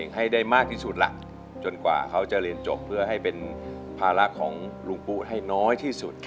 ให้ได้มากที่สุดล่ะจนกว่าเขาจะเรียนจบเพื่อให้เป็นภาระของลุงปุ๊ให้น้อยที่สุด